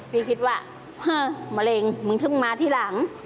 พี่คิดว่ามะเร็งมึงถึงมาที่หลัง